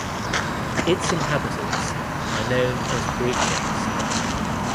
Its inhabitants are known as "Puechens".